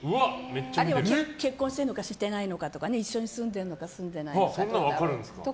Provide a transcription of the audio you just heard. あるいは結婚してるのかしていないのかとか一緒に住んでるのか住んでないのかとか。